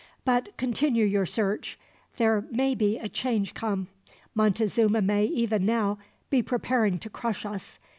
"But continue your search. There may be a change come. Montezuma may, even now, be preparing to crush us.